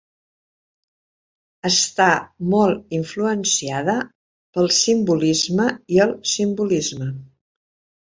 Està molt influenciada pel simbolisme i el simbolisme.